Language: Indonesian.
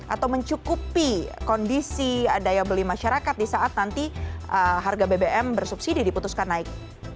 atau mencukupi kondisi daya beli masyarakat di saat nanti harga bbm bersubsidi diputuskan naik